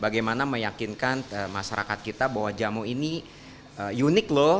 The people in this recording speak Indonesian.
bagaimana meyakinkan masyarakat kita bahwa jamu ini unik loh